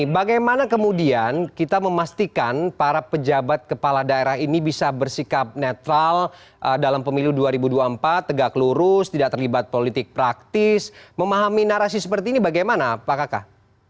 bagaimana kemudian kita memastikan para pejabat kepala daerah ini bisa bersikap netral dalam pemilu dua ribu dua puluh empat tegak lurus tidak terlibat politik praktis memahami narasi seperti ini bagaimana pak kakak